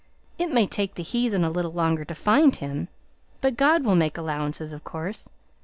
It may take the heathen a little longer to find Him, but God will make allowances, of course.